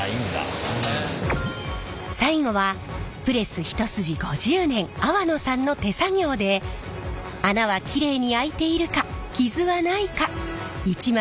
最後はプレス一筋５０年粟野さんの手作業で穴はきれいに空いているか傷はないか一枚一枚入念にチェック。